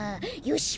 よし！